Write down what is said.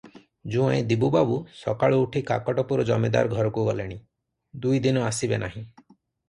ଜୁଆଇଁ ଦିବୁବାବୁ ସକାଳୁ ଉଠି କାକଟପୁର ଜମିଦାର ଘରକୁ ଗଲେଣି, ଦୁଇ ଦିନ ଆସିବେ ନାହିଁ ।